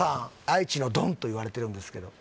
愛知のドンといわれてるんですけど